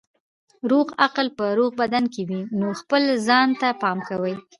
روغ عقل په روغ بدن کې وي نو خپل ځان ته پام کوئ.